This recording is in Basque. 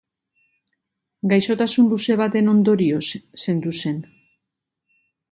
Gaixotasun luze baten ondorioz zendu zen.